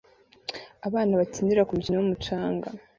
Abana bakinira kumikino yumucanga